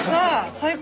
最高。